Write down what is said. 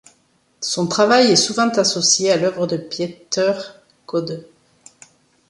Son travail est souvent associé à l'œuvre de Pieter Codde.